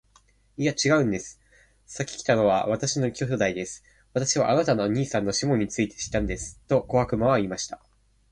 「いや、ちがうんです。先来たのは私の兄弟です。私はあなたの兄さんのシモンについていたんです。」と小悪魔は言いました。